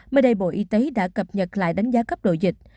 mới đây bộ y tế đã cập nhật lại đánh giá cấp độ dịch